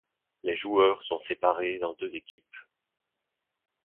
Les joueurs sont séparés en deux équipes.